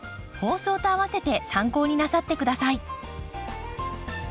放送とあわせて参考になさって下さい。